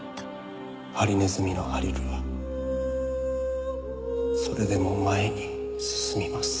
「ハリネズミのハリルはそれでもまえにすすみます」